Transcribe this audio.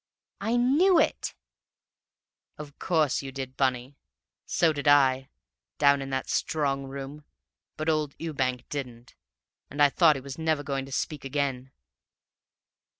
'" "I knew it!" "Of course you did, Bunny; so did I, down in that strong room; but old Ewbank didn't, and I thought he was never going to speak again.